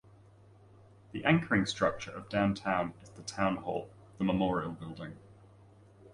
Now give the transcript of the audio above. The anchoring structure of Downtown is the town hall, The Memorial Building.